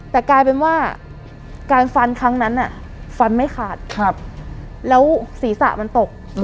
แต่กลายเป็นว่าการฟันครั้งนั้นฟันไม่ขาดแล้วศีรษะมันตก